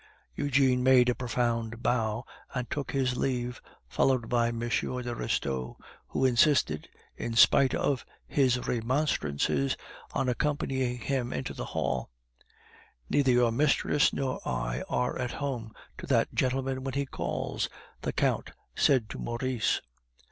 Eugene made a profound bow and took his leave, followed by M. de Restaud, who insisted, in spite of his remonstrances, on accompanying him into the hall. "Neither your mistress nor I are at home to that gentleman when he calls," the Count said to Maurice.